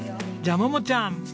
じゃあ桃ちゃん！